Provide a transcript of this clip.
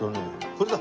これだ！